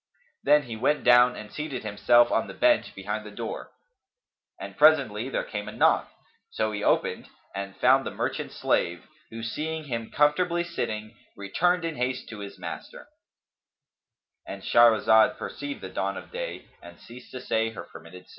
Then he went down and seated himself on the bench behind the door; and presently there came a knock; so he opened and found the merchant's slave who, seeing him comfortably sitting, returned in haste to his master,—And Shahrazad perceived the dawn of day and ceas